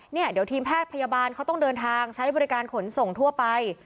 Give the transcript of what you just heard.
เนี่ยเดี๋ยวทีมแพทย์พยาบาลเขาต้องเดินทางใช้บริการขนส่งทั่วไป